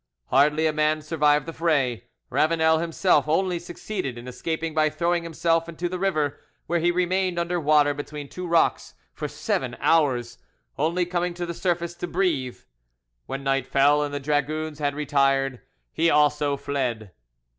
Hardly a man survived the fray. Ravanel himself only succeeded in escaping by throwing himself into the river, where he remained under water between two rocks for seven hours, only coming to the surface to breathe. When night fell and the dragoons had retired, he also fled.